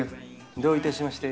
どういたしまして。